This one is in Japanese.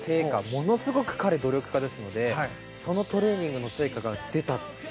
ものすごく彼、努力家ですのでそのトレーニングの成果が出た。